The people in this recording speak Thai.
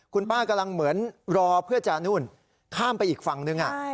คุณป้ากำลังเหมือนรอเพื่อจะนู่นข้ามไปอีกฝั่งนึง